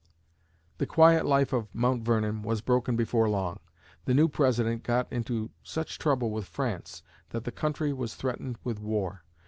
The quiet life of Mount Vernon was broken before long. The new President got into such trouble with France that the country was threatened with war.